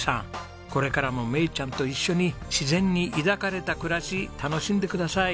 これからも芽以ちゃんと一緒に自然に抱かれた暮らし楽しんでください。